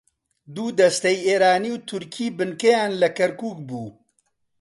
دوو دەستەی ئێرانی و تورکی بنکەیان لە کەرکووک بوو